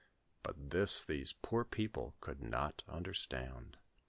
But this these poor people could not understand.